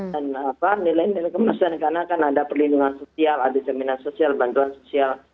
dan apa nilainya kemasin karena kan ada perlindungan sosial ada seminar sosial bantuan sosial